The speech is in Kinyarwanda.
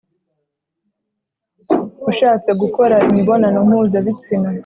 ushatse gukora imibonano mpuzabitsina.